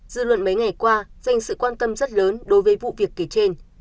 dư luận mấy ngày qua dành sự quan tâm rất lớn đối với vụ việc kể trên